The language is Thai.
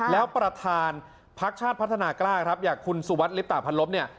แล้วประธานพักชาติพัฒนากล้าครับอย่างคุณสุวัสดิลิปตะพันลบเนี่ย